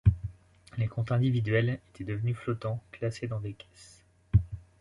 Les comptes individuels étaient devenus flottants, classés dans des caisses.